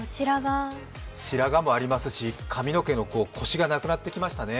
白髪もありますし、髪の毛のコシがなくなってきましたね。